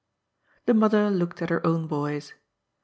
The mother looked at her own boys.